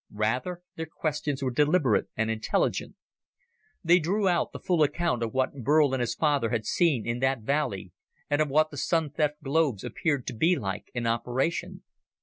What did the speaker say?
Rather, their questions were deliberate and intelligent. They drew out the full account of what Burl and his father had seen in that valley, and of what the Sun theft globes appeared to be like in operation.